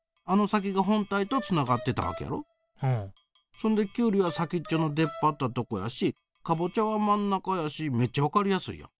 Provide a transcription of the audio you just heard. そんできゅうりは先っちょの出っ張ったとこやしカボチャは真ん中やしめっちゃ分かりやすいやん。